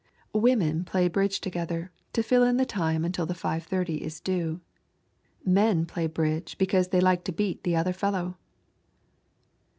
Women play bridge together to fill in the time until the five thirty is due. Men play bridge because they like to beat the other fellow.